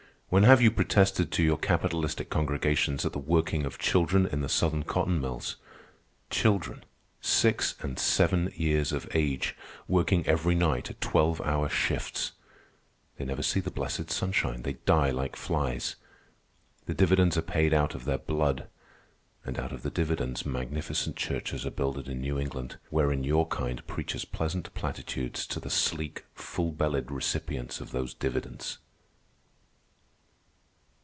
When have you protested to your capitalistic congregations at the working of children in the Southern cotton mills? Children, six and seven years of age, working every night at twelve hour shifts? They never see the blessed sunshine. They die like flies. The dividends are paid out of their blood. And out of the dividends magnificent churches are builded in New England, wherein your kind preaches pleasant platitudes to the sleek, full bellied recipients of those dividends."